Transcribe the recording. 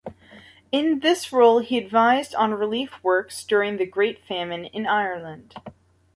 In this role he advised on relief works during the Great Famine in Ireland.